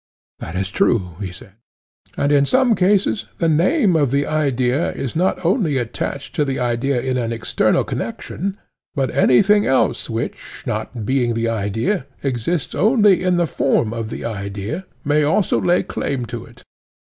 That is true, he said. And in some cases the name of the idea is not only attached to the idea in an eternal connection, but anything else which, not being the idea, exists only in the form of the idea, may also lay claim to it.